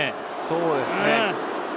そうですね。